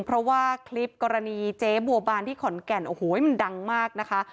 เพราะว่าคลิปกรณีเจ๊บัวบานที่ขอนแก่นโอ้โหมันดังมากนะคะ